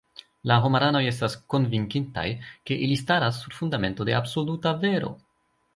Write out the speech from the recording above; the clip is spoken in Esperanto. La homaranoj estas konvinkitaj, ke ili staras sur fundamento de absoluta vero.